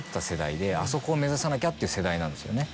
あそこを目指さなきゃっていう世代なんですよね。